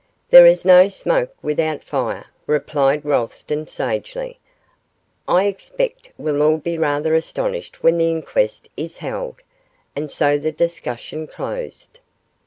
'There is no smoke without fire,' replied Rolleston, sagely. 'I expect we'll all be rather astonished when the inquest is held,' and so the discussion closed.